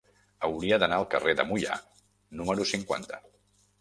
Hauria d'anar al carrer de Moià número cinquanta.